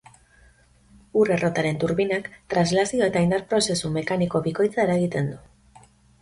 Ur-errotaren turbinak translazio eta indar prozesu mekaniko bikoitza eragiten du.